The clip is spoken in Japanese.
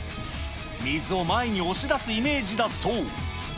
水を前に押し出すイメージだそう。